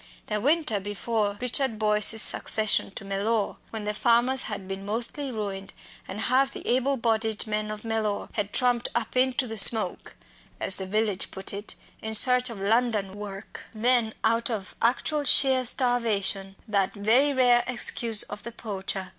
the winter before Richard Boyce's succession to Mellor when the farmers had been mostly ruined, and half the able bodied men of Mellor had tramped "up into the smoke," as the village put it, in search of London work then, out of actual sheer starvation that very rare excuse of the poacher!